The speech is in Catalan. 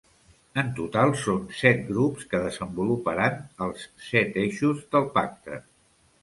En total són set grups que desenvoluparan els set eixos del Pacte.